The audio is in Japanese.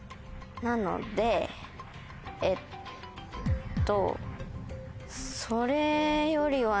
なのでえっと。